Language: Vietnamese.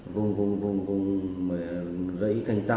vùng rẫy canh tạ